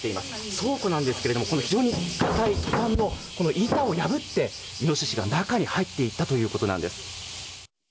倉庫なんですが非常に硬いトタンの板を破ってイノシシが中に入っていったということなんです。